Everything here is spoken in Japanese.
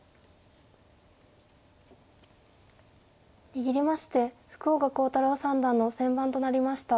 握りまして福岡航太朗三段の先番となりました。